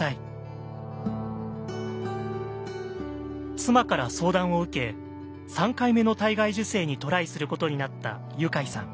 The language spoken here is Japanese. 妻から相談を受け３回目の体外受精にトライすることになったユカイさん。